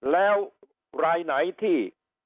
แล้วรายไหนที่